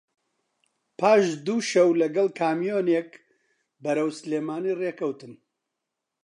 پاش دوو شەو لەگەڵ کامیۆنێک بەرەو سلێمانی ڕێ کەوتم